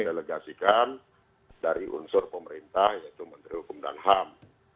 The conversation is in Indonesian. dan mendelegasikan dari unsur pemerintah yaitu menteri hukum dan ham